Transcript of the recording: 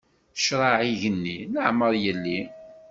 Ccṛaɛ igenni leɛmeṛ yelli.